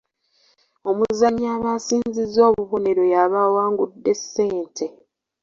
Omuzannyi aba asinzizza obubonero y'aba awangudde ssente.